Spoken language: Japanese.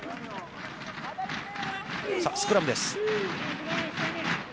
さあ、スクラムです。